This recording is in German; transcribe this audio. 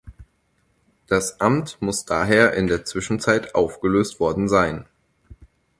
Das Amt muss daher in der Zwischenzeit aufgelöst worden sein.